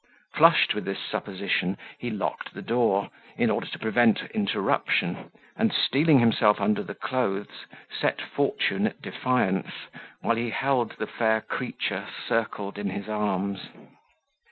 Flushed with this supposition, he locked the door, in order to prevent interruption; and, stealing himself under the clothes, set fortune at defiance, while he held the fair creature circled in his arms.